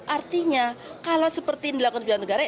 artinya kalau seperti dilakukan pidana negara